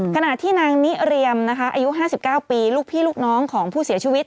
ขณะที่นางนิเรียมนะคะอายุ๕๙ปีลูกพี่ลูกน้องของผู้เสียชีวิต